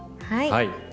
はい。